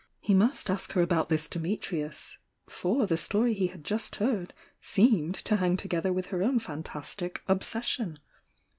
He must ask her about this Dimitnus for the story he had just heard seemed tohaSg to gether with her own fantastic "obsession